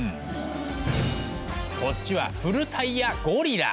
こっちは古タイヤゴリラ。